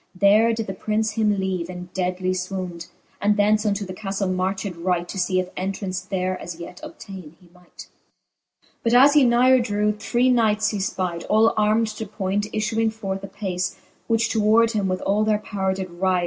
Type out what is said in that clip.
There did the Prince him leave in deadly fwound, And thence unto the caftle marched right, To fee if entrance there as yet obtaine he might. XXXIV. jBut as he nigher drew, three knights he fpyde, All armM to point, iflewing forth apace. Which towards him with all their powre did ryde.